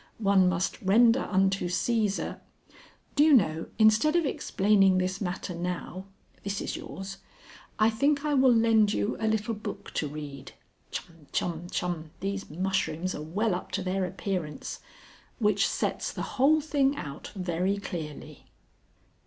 One must render unto Cæsar.... Do you know, instead of explaining this matter now (this is yours), I think I will lend you a little book to read (chum, chum, chum these mushrooms are well up to their appearance), which sets the whole thing out very clearly."